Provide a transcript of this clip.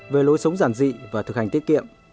về lối sống giản dị và thực hành tiết kiệm